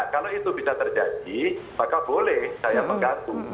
kalau itu bisa terjadi bakal boleh saya menggantung